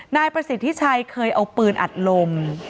นายประสิทธิชัยเคยเอาปืนอัดลม